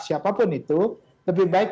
siapapun itu lebih baik